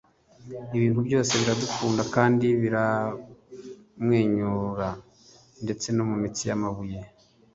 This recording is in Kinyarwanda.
Ibintu byose biradukunda kandi biramwenyura ndetse no mumitsi yamabuye